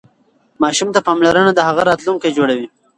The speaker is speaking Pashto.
ماسوم ته پاملرنه د هغه راتلونکی جوړوي.